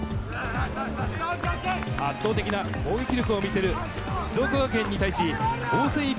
圧倒的な攻撃力を見せる静岡学園に対し、防戦。